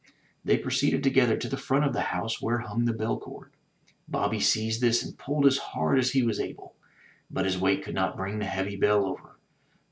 They proceeded together to the front of the house where hung the bell cord. Bobby seized this and pulled as hard as he was able. But his weight could not bring the heavy bell over.